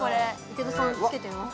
池田さんつけてみます？